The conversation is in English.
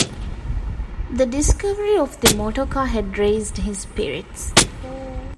The discovery of the motorcar had raised his spirits.